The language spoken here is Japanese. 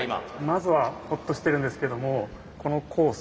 まずはホッとしてるんですけどもこのコース